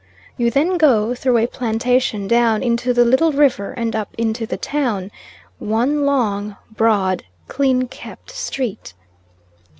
You then go through a plantation down into the little river, and up into the town one long, broad, clean kept street.